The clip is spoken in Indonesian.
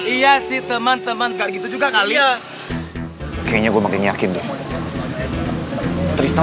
iya sih teman teman kayak gitu juga kali ya kayaknya gue makin yakin deh